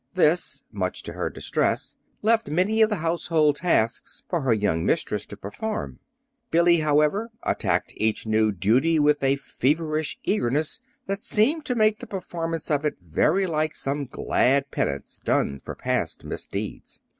This, much to her distress, left many of the household tasks for her young mistress to perform. Billy, however, attacked each new duty with a feverish eagerness that seemed to make the performance of it very like some glad penance done for past misdeeds.